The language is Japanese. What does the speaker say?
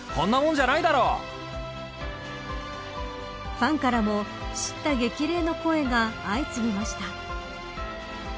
ファンからも叱咤激励の声が相次ぎました。